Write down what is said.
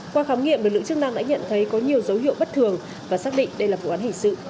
qua khám nghiệm lực lượng chức năng đã nhận thấy có nhiều dấu hiệu bất thường và xác định đây là vụ án hình sự